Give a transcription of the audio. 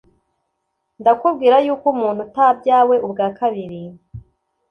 ndakubwira yuko umuntu utabyawe ubwa kabiri